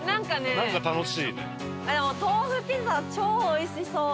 でも豆腐ピザ超おいしそう！